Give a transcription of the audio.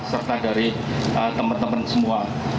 serta dari teman teman semua